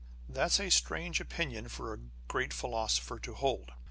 That's a strange opinion for a great philosopher to hold.